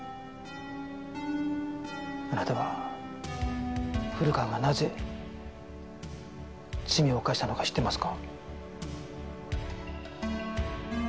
あなたは古川がなぜ罪を犯したのか知ってますか？